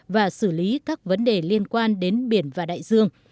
và xử lý các vấn đề liên quan đến biển và đại dương